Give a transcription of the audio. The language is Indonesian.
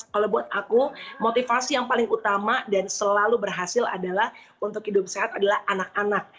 kalau buat aku motivasi yang paling utama dan selalu berhasil adalah untuk hidup sehat adalah anak anak